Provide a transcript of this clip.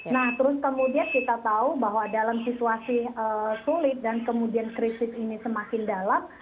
nah terus kemudian kita tahu bahwa dalam situasi sulit dan kemudian krisis ini semakin dalam